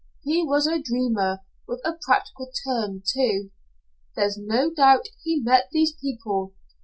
He was a dreamer with a practical turn, too. There, no doubt, he met these people.